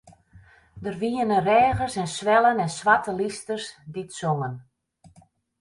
Der wiene reagers en swellen en swarte lysters dy't songen.